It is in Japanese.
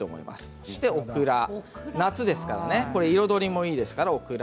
そして、オクラ夏ですから彩りもいいです。